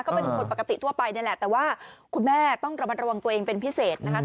ก็เป็นคนปกติทั่วไปนี่แหละแต่ว่าคุณแม่ต้องระมัดระวังตัวเองเป็นพิเศษนะคะ